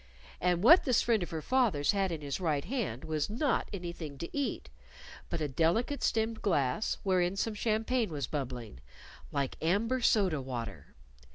And what this friend of her father's had in his right hand was not anything to eat, but a delicate stemmed glass wherein some champagne was bubbling like amber soda water.